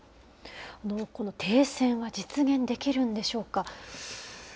この停戦は実現できるんでしょうか。